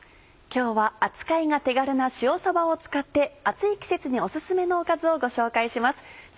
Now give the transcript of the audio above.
今日は扱いが手軽な塩さばを使って暑い季節にお薦めのおかずをご紹介します。